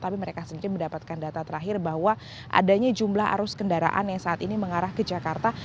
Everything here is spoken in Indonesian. tapi mereka sendiri mendapatkan data terakhir bahwa adanya jumlah arus kendaraan yang saat ini mengarah ke jakarta